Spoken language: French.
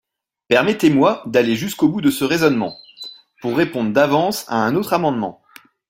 Permettez-moi d’aller jusqu’au bout de ce raisonnement, pour répondre d’avance à un autre amendement.